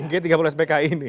mungkin tiga belas pki ini